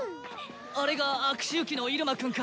・あれが悪周期のイルマくんか。